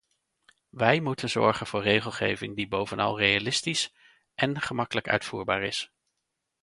Wij moeten zorgen voor regelgeving die bovenal realistisch en gemakkelijk uitvoerbaar is.